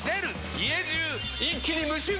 家中一気に無臭化！